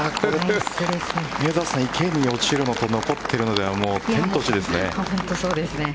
池に落ちるのと残ってるのでは天と地ですね。